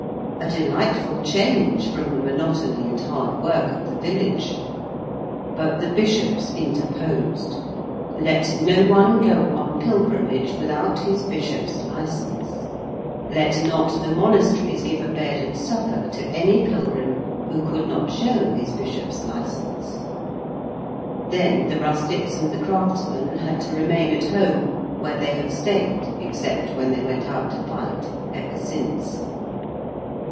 A delightful change from the monotony and hard work of the village! But the Bishops interposed. Let no one go on pilgrimage without his Bishop's license. Let not the monasteries give a bed and supper to any pilgrim who could not show his Bishop's license. Then the rustics and the craftsmen had to remain at home where they have stayed, except when they went out to fight, ever since.